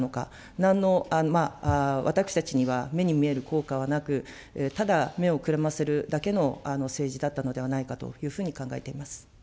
なんの、私たちには目に見える効果はなく、ただ目をくらませるだけの政治だったのではないかというふうに考えています。